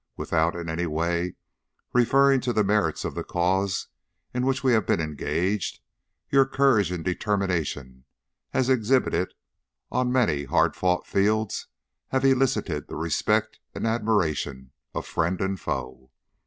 Without, in any way, referring to the merits of the cause in which we have been engaged, your courage and determination, as exhibited on many hard fought fields, have elicited the respect and admiration of friend and foe.